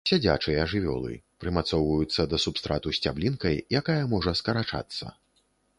Сядзячыя жывёлы, прымацоўваюцца да субстрату сцяблінкай, якая можа скарачацца.